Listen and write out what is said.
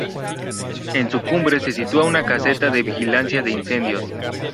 En su cumbre se sitúa una caseta de vigilancia de incendios.